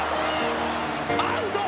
アウト！